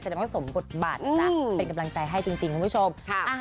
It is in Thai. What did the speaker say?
แต่มันก็สมบทบัตรนะเป็นกำลังใจให้จริงคุณผู้ชม